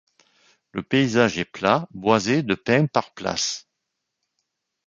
Le paysage est plat, boisé de pins par places.